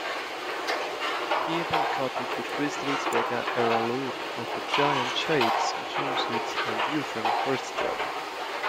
He even copied the Presley's Vegas-era look of giant shades, jumpsuits and bouffant hairstyle.